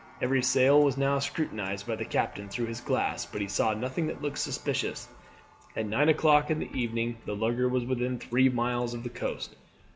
Every sail was now scrutinized by the captain through his glass, but he saw nothing that looked suspicious. At nine o'clock in the evening the lugger was within three miles of the coast.